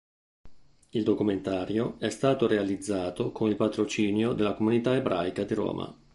Il documentario è stato realizzato con il patrocinio della Comunità Ebraica di Roma.